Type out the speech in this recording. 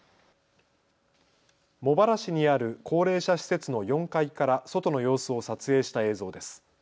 茂原市にある高齢者施設の４階から外の様子を撮影した映像です。